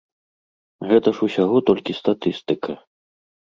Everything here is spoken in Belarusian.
Гэта ж усяго толькі статыстыка.